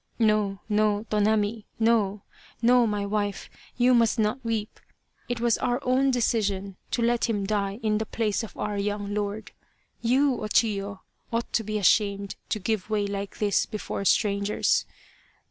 " No, no, Tonami ! No, no, my wife ! You must not weep. It was our own decision to let him die in the place of our young lord. You, O Chiyo, ought to be ashamed to give way like this before strangers.